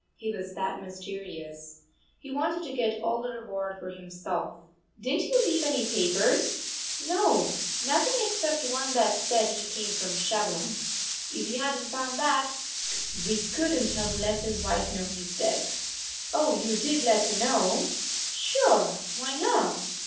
He was that mysterious. He wanted to get all the reward for himself." "Didn't he leave any papers?" "No, nothing except one that said he came from Chavanon. If we hadn't found that, we couldn't have let his wife know he's dead." "Oh, you did let her know?" "Sure, why not?"